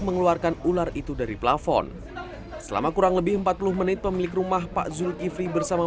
mengeluarkan ular itu dari plafon selama kurang lebih empat puluh menit pemilik rumah pak zulkifri bersama